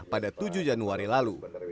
pada tujuh januari lalu